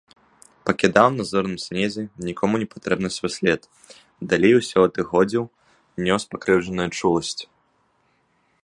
Пакідаў на зорным снезе нікому непатрэбны свой след, далей усё адыходзіў, нёс пакрыўджаную чуласць.